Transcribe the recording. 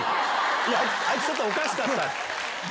いや、あいつちょっとおかしかった。